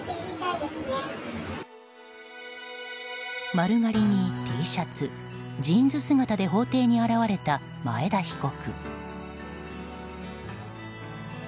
丸刈りにＴシャツジーンズ姿で法廷に現れた前田被告。